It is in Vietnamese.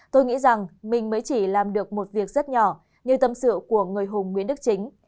tôi nghĩ rằng mình mới chỉ làm được một việc rất nhỏ như tâm sự của người hùng nguyễn đức chính